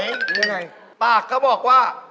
มียังไงปากก็บอกว่า